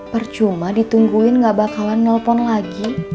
percuma ditungguin gak bakalan nelpon lagi